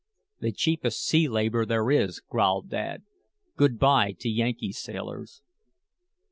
"The cheapest sea labor there is," growled Dad. "Good by to Yankee sailors."